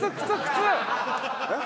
えっ？